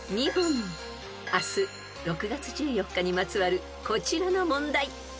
［明日６月１４日にまつわるこちらの問題］